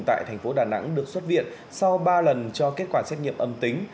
tại thành phố đà nẵng được xuất viện sau ba lần cho kết quả xét nghiệm âm tính